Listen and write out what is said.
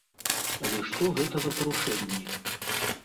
Але што гэта за парушэнні?